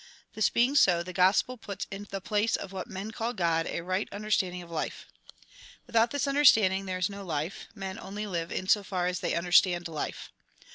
This being so, the Gospel puts in the place of what men call " God " a right understand ing of life. Without this understanding there is no life ; men only live in so far as they understand life.